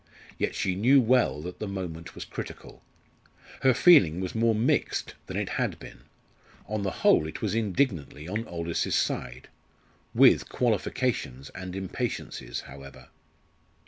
Yet she knew well that the moment was critical. Her feeling was more mixed than it had been. On the whole it was indignantly on Aldous's side with qualifications and impatiences, however.